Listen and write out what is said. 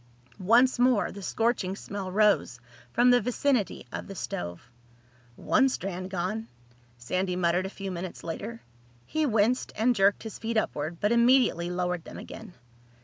Once more the scorching smell rose from the vicinity of the stove. "One strand gone," Sandy muttered a few minutes later. He winced and jerked his feet upward but immediately lowered them again.